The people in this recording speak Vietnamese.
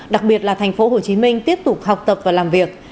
đặc biệt là thành phố hồ chí minh tiếp tục học tập và làm việc